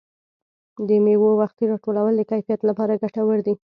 د مېوو وختي راټولول د کیفیت لپاره ګټور دي.